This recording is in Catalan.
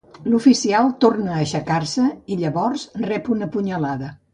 L'oficial torna a aixecar-se i llavors rep una punyalada.